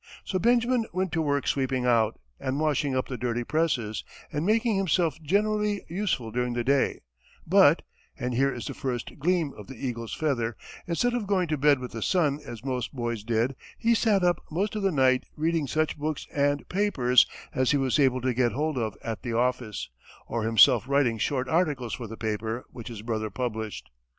So Benjamin went to work sweeping out, and washing up the dirty presses, and making himself generally useful during the day; but and here is the first gleam of the eagle's feather instead of going to bed with the sun as most boys did, he sat up most of the night reading such books and papers as he was able to get hold of at the office, or himself writing short articles for the paper which his brother published.